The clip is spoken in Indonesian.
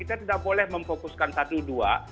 kita tidak boleh memfokuskan satu dua